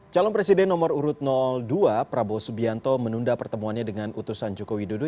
calon presiden nomor urut dua prabowo subianto menunda pertemuannya dengan utusan joko widodo